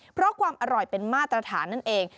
เพราะความอร่อยเป็นมาตรฐานนั่นเอง